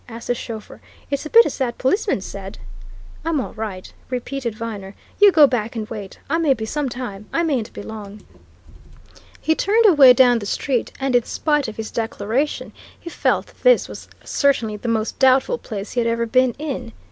asked the chauffeur. "It's a bit as that policeman said." "I'm all right," repeated Viner. "You go back and wait. I may be some time. I mayn't be long." He turned away down the street and in spite of his declaration, he felt that this was certainly the most doubtful place he had ever been in.